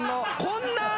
こんな。